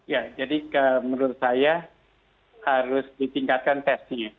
ya jadi menurut saya harus ditingkatkan tesnya